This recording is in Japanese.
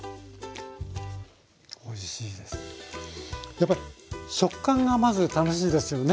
やっぱり食感がまず楽しいですよね。